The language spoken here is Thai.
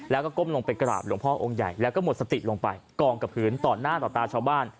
แล้วก็ก้มลงไปกราบหลวงพ่อองค์ใหญ่แล้วก็หมดสติลงไปกองกับพื้นต่อหน้าต่อตาชาวบ้าน